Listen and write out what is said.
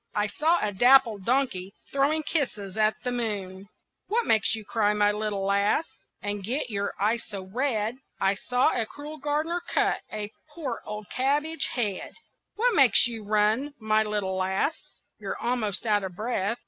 "I saw a dappled donkey Throwing kisses at the moon." "What makes you cry, my little lass, And get your eyes so red?" "I saw a cruel gardener cut A poor old cabbage head." "What makes you run, my little lass? You're almost out of breath."